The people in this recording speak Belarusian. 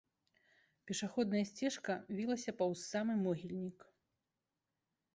Пешаходная сцежка вілася паўз самы могільнік.